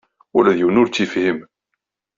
Ula d yiwen ur tt-yefhim.